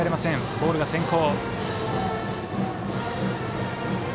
ボールが先行。